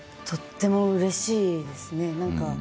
とってもうれしいですね。